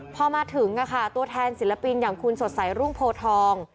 พอมาถึงตัวแทนศิลปินอย่างคุณสดใสรุ่งโพทอง